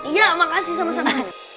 iya makasih sama sama